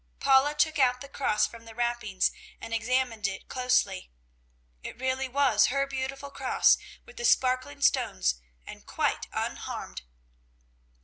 Paula took out the cross from the wrappings and examined it closely. It really was her beautiful cross with the sparkling stones, and quite unharmed.